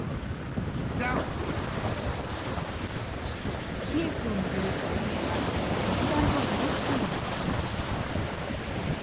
首都キエフを巡る攻防は一段と激しさを増しています。